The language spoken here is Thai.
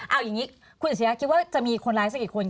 เอาอย่างนี้คุณอาชญาคิดว่าจะมีคนร้ายสักกี่คน